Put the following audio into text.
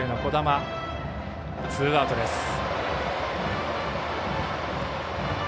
ツーアウトです。